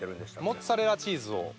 モッツァレラチーズを。